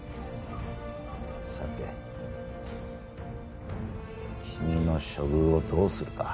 さて君の処遇をどうするか。